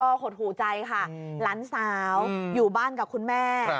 ก็หดหูใจค่ะหลานสาวอยู่บ้านกับคุณแม่